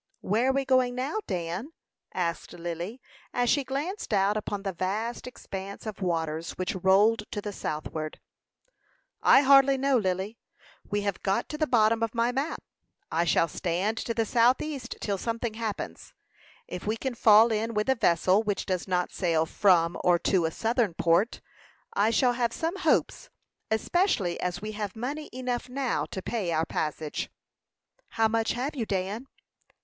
"Where are we going now, Dan?" asked Lily, as she glanced out upon the vast expanse of waters which rolled to the southward. "I hardly know, Lily. We have got to the bottom of my map; I shall stand to the south east till something happens. If we can fall in with a vessel which does not sail from or to a southern port, I should have some hopes, especially as we have money enough now to pay our passage." "How much have you, Dan?"